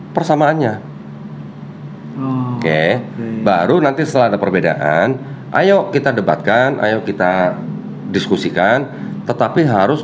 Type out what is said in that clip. persamaannya baru nanti selalu perbedaan ayo kita debatkan ayo kita diskusikan tetapi harus